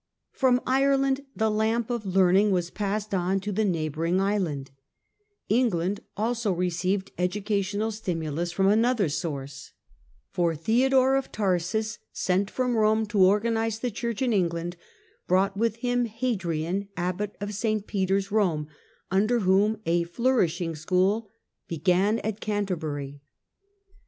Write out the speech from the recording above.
From Ireland the lamp of learning was passed on to the neighbouring island. England also received educational stimulus from another source, for Theodore Nor jg^ thumhria 192 THE DAWN OF MEDIAEVAL EUROPE of Tarsus, sent from Borne to organise the Church in England, brought with him Hadrian, Abbot of St. Peter's, Rome, under whom a flourishing school began at Canterbury.